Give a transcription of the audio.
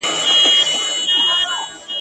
له ما مه غواړئ سندري د صیاد په پنجره کي ,